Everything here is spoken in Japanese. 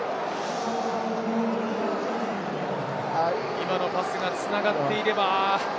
今のパスが繋がっていれば。